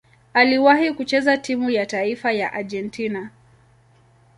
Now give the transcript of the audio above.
Aliwahi kucheza timu ya taifa ya Argentina.